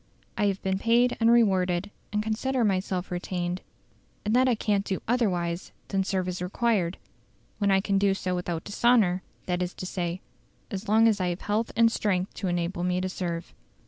I have been paid and rewarded, and I consider myself retained; and that I can't do otherwise than serve as required, when I can do so without dishonour, that is to say, as long as I have health and strength to enable me to serve.